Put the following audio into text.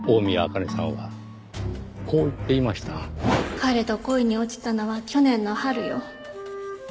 彼と恋に落ちたのは去年の春よ。